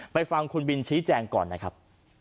ฟังคุณบินชี้แจงก่อนนะครับ